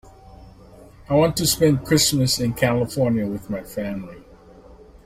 I want to spend Christmas in California with my family.